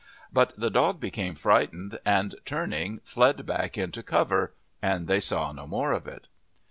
But the dog became frightened, and turning fled back into cover, and they saw no more of it.